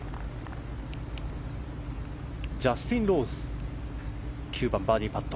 ジャスティン・ローズ９番、バーディーパット。